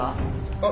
あっ。